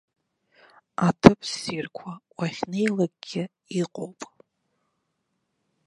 Аҭыԥ ссирқәа уахьнеилакгьы иҟоуп.